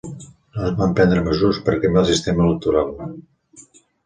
No es van prendre mesures per canviar el sistema electoral.